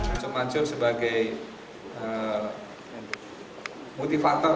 yusuf mansur sebagai motivator